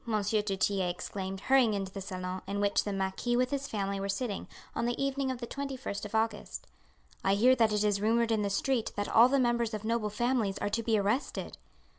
du Tillet exclaimed, hurrying into the salon, in which the marquis with his family were sitting, on the evening of the 21st of August, "I hear that it is rumoured in the street that all the members of noble families are to be arrested."